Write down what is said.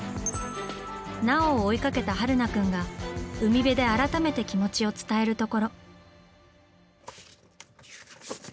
奈緒を追いかけた榛名くんが海辺で改めて気持ちを伝えるところ。